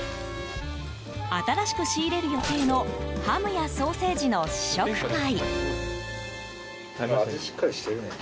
新しく仕入れる予定のハムやソーセージの試食会。